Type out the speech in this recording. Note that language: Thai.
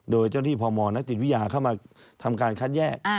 โดยเจ้าหน้าที่พมนักจิตวิทยาเข้ามาทำการคัดแยก